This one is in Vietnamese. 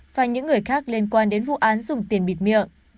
và những người khác liên quan đến vụ án dùng tiền bịt miệng